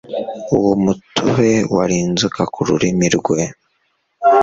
Uwo mutobe wari inzoka kururimi rwe